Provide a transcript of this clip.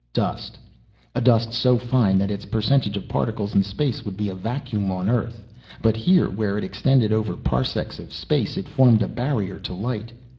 Dust. A dust so fine that its percentage of particles in space would be a vacuum, on Earth. But, here where it extended over parsecs of space, it formed a barrier to light.